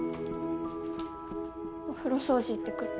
お風呂掃除行ってくる。